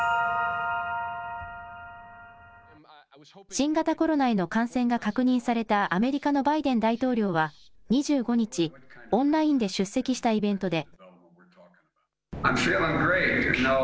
新型コロナへの感染が確認されたアメリカのバイデン大統領は２５日、オンラインで出席したイベントで。